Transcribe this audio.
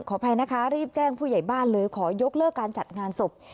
อภัยนะคะรีบแจ้งผู้ใหญ่บ้านเลยขอยกเลิกการจัดงานศพ